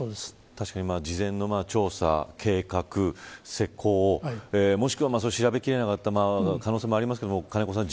確かに、事前の調査、計画施工、もしくは調べきれなかった可能性もありますが金子さん